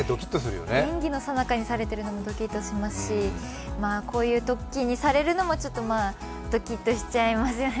演技のさなかにされてもドキッとしますしこういうときにされるのもドキッとしちゃいますよね。